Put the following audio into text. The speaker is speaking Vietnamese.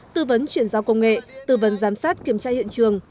tư vấn chuyển giao công nghệ tư vấn giám sát kiểm tra hiện trường